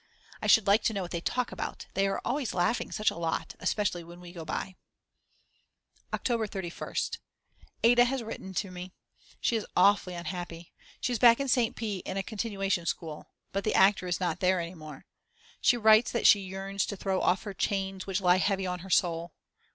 I should like to know what they talk about, they are always laughing such a lot, especially when we go by. October 31st. Ada has written to me. She is awfully unhappy. She is back in St. P., in a continuation school. But the actor is not there any more. She writes that she yearns to throw off her chains which lie heavy on her soul.